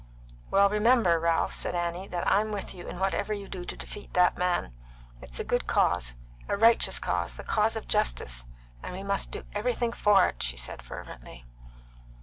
"Well, remember, Ralph," said Annie, "that I'm with you in whatever you do to defeat that man. It's a good cause a righteous cause the cause of justice; and we must do everything for it," she said fervently.